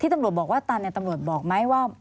ที่ตำรวจบอกว่าตันเนี่ยตำรวจบอกไหมว่า